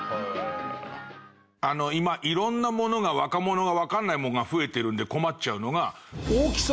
今いろんなものが若者がわかんないもんが増えてるんで困っちゃうのが。